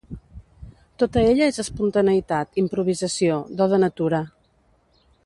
Tota ella és espontaneïtat, improvisació, do de natura